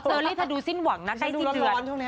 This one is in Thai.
เซอริย์ถ้าดูสิ้นหวังใต้สิ้นเผื่อด้านนี้